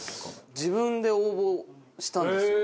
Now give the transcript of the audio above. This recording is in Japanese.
自分で応募したんですよ。